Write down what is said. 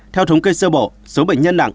theo thống kê sơ bộ số bệnh nhân nặng